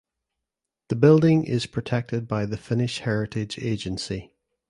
The building is protected by the Finnish Heritage Agency.